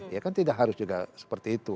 ya kan tidak harus juga seperti itu